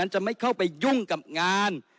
จะไม่เข้าไปยุ่งกับงาน